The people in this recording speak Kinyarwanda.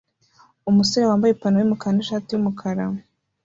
Umusore wambaye ipantaro yumukara nishati yumukara